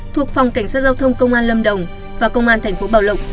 thuộc phòng cảnh sát giao thông công an lâm đồng và công an thành phố bảo lộc